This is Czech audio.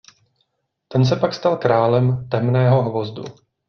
Ten se pak stal králem Temného hvozdu.